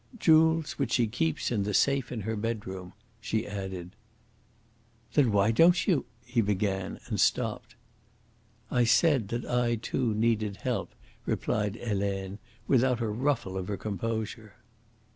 "Jewels which she keeps in the safe in her bedroom," she added. "Then why don't you ?" he began, and stopped. "I said that I too needed help," replied Helene, without a ruffle of her composure.